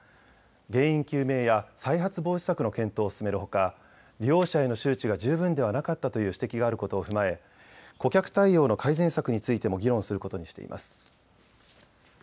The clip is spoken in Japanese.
原因究明や再発防止策の検討を進めるほか利用者への周知が十分ではなかったという指摘があることを踏まえ顧客対応の改善策についても議論することにしています。